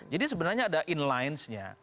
jadi sebenarnya ada inlinesnya